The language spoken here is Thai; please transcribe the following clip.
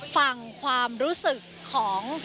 ฟังความรู้สึกของ